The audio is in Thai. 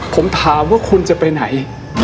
ผมถามว่าคุณจะไปไหน